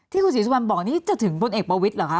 ที่คุณศรีสุวรรณบอกนี่จะถึงพลเอกประวิทย์เหรอคะ